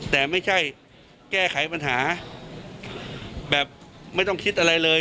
แต่ไม่ใช่แก้ไขปัญหาแบบไม่ต้องคิดอะไรเลย